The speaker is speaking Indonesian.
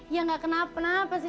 ya gak kenapa kenapa sih